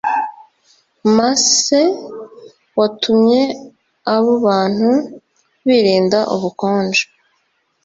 masse watumye abo bantu birinda ubukonje